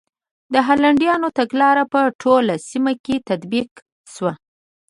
د هالنډیانو تګلاره په ټوله سیمه کې تطبیق شوه.